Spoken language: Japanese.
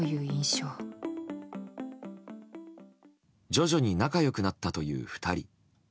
徐々に仲良くなったという２人。